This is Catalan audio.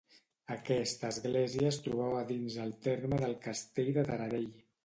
Aquesta església es trobava dins el terme del castell de Taradell.